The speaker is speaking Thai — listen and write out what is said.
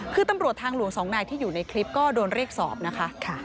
คือตำรวจทางหลวงสองนายที่อยู่ในคลิปก็โดนเรียกสอบนะคะ